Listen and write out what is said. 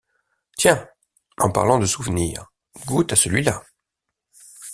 Tiens, en parlant de souvenirs, goûte à celui-là.